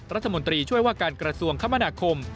รัฐมนตรีช่วยว่าการกระทรวงคมนาคม